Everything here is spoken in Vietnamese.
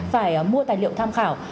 phải mua tài liệu tham khảo